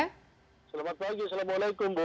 selamat pagi assalamualaikum bu